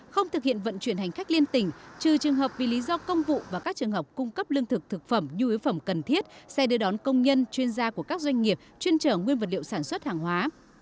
không thực hiện vận chuyển hành khách liên tỉnh trừ trường hợp vì lý do công vụ và các trường hợp cung cấp lương thực thực phẩm nhu yếu phẩm cần thiết xe đưa đón công nhân chuyên gia của các doanh nghiệp chuyên trở nguyên vật liệu sản xuất hàng hóa